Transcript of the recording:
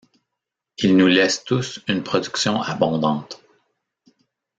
Ils nous laissent tous une production abondante.